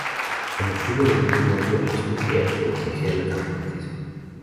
En octubre del mismo año, hizo un viaje oficial a San Francisco.